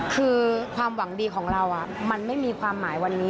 คือความหวังดีของเรามันไม่มีความหมายวันนี้